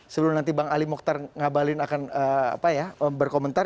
sebelum nanti bang ali mokhtar ngabalin akan berkomentar